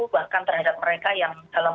bahkan terhadap mereka yang dalam